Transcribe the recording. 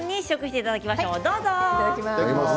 いただきます。